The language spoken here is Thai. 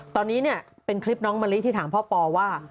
ตอนนี้เนี่ยเป็นคลิปน้องมะลิที่ถามพ่อปอว่า